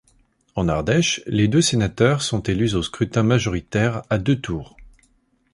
En Ardèche, les deux sénateurs sont élus au scrutin majoritaire à deux tours.